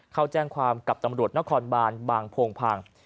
เขาแจ้งความกับตำรวจนครบานบางโพงพัง